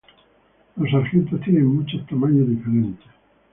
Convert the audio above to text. Los sargentos tienen muchos tamaños diferentes.